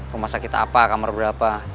rumah sakit apa kamar berapa